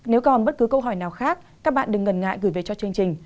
nếu còn bất cứ câu hỏi nào khác các bạn đừng ngần ngại gửi về cho chương trình